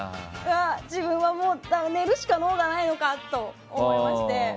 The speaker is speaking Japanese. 自分はもう、寝るしか能がないのかと思いまして。